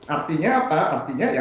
artinya apa artinya